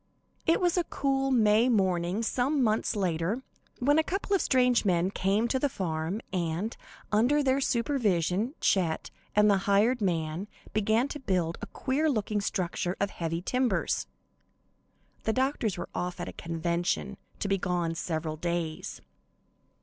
It was a cool, May morning, some months later, when a couple of strange men came to the farm, and, under their supervision, Chet and the hired man began to build a queer looking structure of heavy timbers. (The doctors were off at a convention, to be gone several days.)